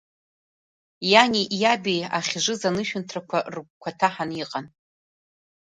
Иани иаби ахьжыз анышәынҭрақәа рыгәқәа ҭаҳан иҟан.